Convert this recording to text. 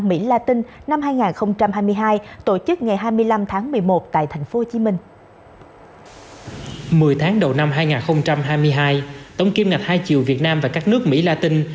mười tháng đầu năm hai nghìn hai mươi hai tổng kiếm ngạch hai triệu việt nam và các nước mỹ la tinh